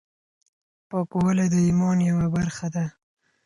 پاکوالی د ايمان يوه برخه ده.